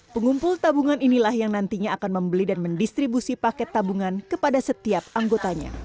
pengumpul tabungan inilah yang nantinya akan membeli dan mendistribusi paket tabungan kepada setiap anggotanya